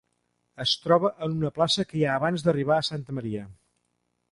Es troba en una plaça que hi ha abans d'arribar a Santa Maria.